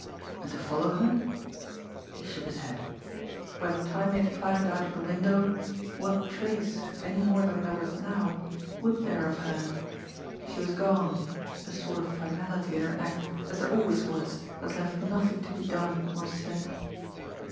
And to follow her? He shook his head. By the time he had climbed out of the window, what trace, any more than there was now, would there of her! She was gone a sort of finality in her act, as there always was, that left nothing to be done, or said.